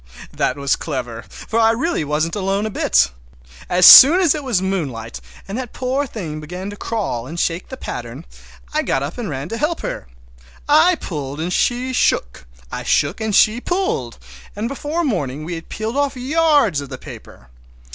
That was clever, for really I wasn't alone a bit! As soon as it was moonlight, and that poor thing began to crawl and shake the pattern, I got up and ran to help her. I pulled and she shook, I shook and she pulled, and before morning we had peeled off yards of that paper.